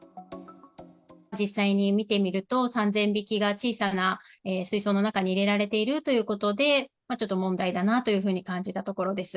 実際に見てみると、３０００匹が小さな水槽の中に入れられているということで、ちょっと問題だなというふうに感じたところです。